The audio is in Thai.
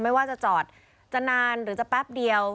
ไม่ว่าจะจอดจะนานหรือจะแป๊บเดียว